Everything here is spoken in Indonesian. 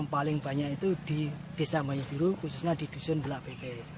paling banyak itu di desa mayuburu khususnya di dusun bulak bebe